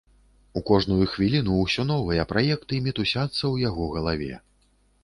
У кожную хвіліну ўсё новыя праекты мітусяцца ў яго галаве.